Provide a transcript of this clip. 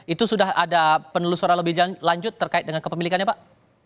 itu sudah ada penelusuran lebih lanjut terkait dengan kepemilikannya pak